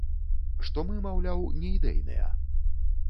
Што мы, маўляў, не ідэйныя.